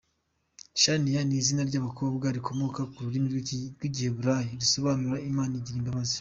Shania ni izina ry’abakobwa rikomoka ku rurimi rw’Igiheburayi risobanura “Imana igira imbabazi”.